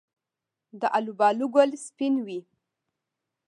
د الوبالو ګل سپین وي؟